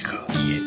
いえ。